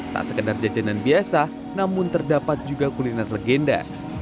tak sekedar jajanan biasa namun terdapat juga kuliner legenda